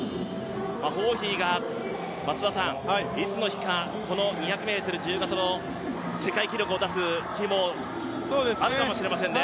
ホーヒーがいつの日か、この２００ｍ自由形の世界記録を出す日もあるかもしれませんね。